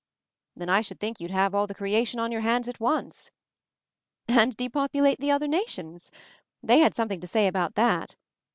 "Then I should think you'd have all crea tion on your hands at once." "And depopulate the other nations? They had something to say about that